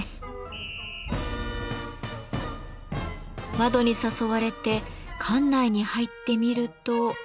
窓に誘われて館内に入ってみると。